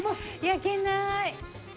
焼けない！